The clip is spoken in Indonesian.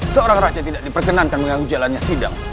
seorang raja tidak diperkenankan dengan hujalannya sidang